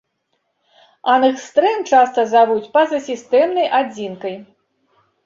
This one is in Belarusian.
Ангстрэм часта завуць пазасістэмнай адзінкай.